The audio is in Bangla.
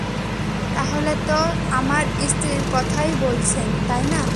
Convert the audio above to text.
তাহলে তো আমার স্ত্রীর কথাই বলছেন, তাই না?